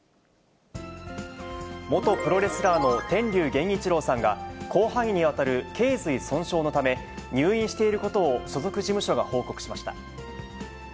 元プロレスラーの天龍源一郎さんが、広範囲にわたるけい髄損傷のため、入院していることを所属事務所が報告しました。